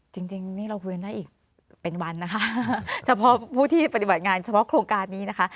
จริงนี่เราคุยกันได้อีกเป็นวันนะคะเฉพาะผู้ที่ปฏิบัติงานเฉพาะโครงการนี้นะคะ